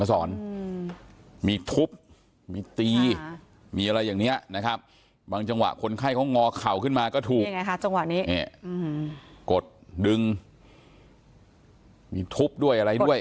ก็ถูกนี่ไงค่ะจังหวะนี้อืมทุบด้วยอะไรหนึ่ง